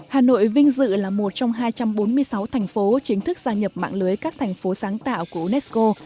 hà nội vinh dự là một trong hai trăm bốn mươi sáu thành phố chính thức gia nhập mạng lưới các thành phố sáng tạo của unesco